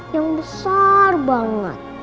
yang besar banget